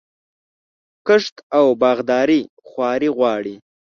کښت او باغداري خواري غواړي.